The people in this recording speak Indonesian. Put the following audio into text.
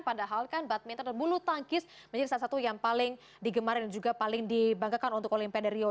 padahal kan badminton dan bulu tangkis menjadi salah satu yang paling digemari dan juga paling dibanggakan untuk olimpiade rio